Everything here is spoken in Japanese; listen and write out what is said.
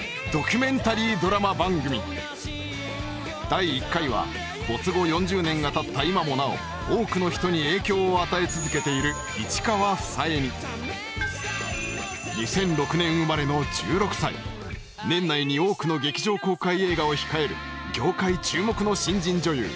第１回は没後４０年がたった今もなお多くの人に影響を与え続けている市川房枝に２００６年生まれの１６歳年内に多くの劇場公開映画を控える業界注目の新人女優